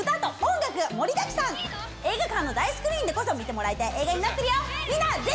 映画館の大スクリーンでこそ見てもらいたい映画になってるよ。